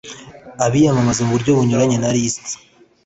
abiyamamaza mu buryo bunyuranyije n list